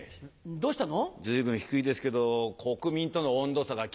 どうしたの？